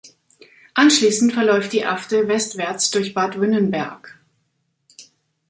Anschließend verläuft die Afte westwärts durch Bad Wünnenberg.